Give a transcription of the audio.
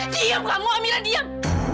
diam kamu amirah diam